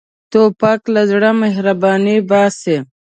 توپک له زړه مهرباني باسي.